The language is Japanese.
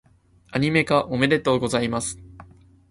アニメ化、おめでとうございます！